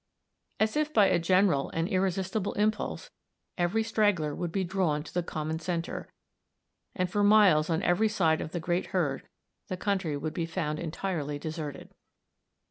As if by a general and irresistible impulse, every straggler would be drawn to the common center, and for miles on every side of the great herd the country would be found entirely deserted.